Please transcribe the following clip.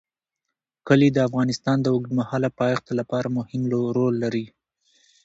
کلي د افغانستان د اوږدمهاله پایښت لپاره مهم رول لري.